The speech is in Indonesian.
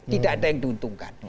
tidak ada yang diuntungkan